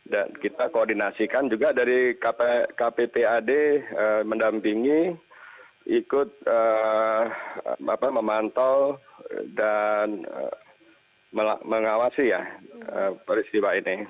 dan kita koordinasikan juga dari kptad mendampingi ikut memantau dan mengawasi ya